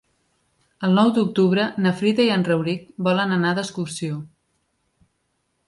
El nou d'octubre na Frida i en Rauric volen anar d'excursió.